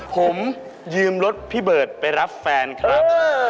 ผมยืมรถพี่เบิร์ดไปรับแฟนครับ